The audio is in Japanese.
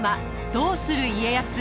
「どうする家康」。